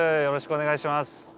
よろしくお願いします。